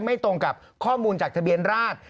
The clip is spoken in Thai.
ตรงกับข้อมูลจากทะเบียนราช